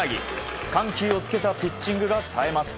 緩急をつけたピッチングがさえます。